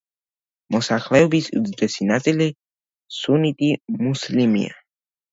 მოსახლეობის უდიდესი ნაწილი სუნიტი მუსლიმია.